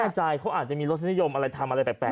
ใจเขาอาจจะมีรสนิยมอะไรทำอะไรแปลก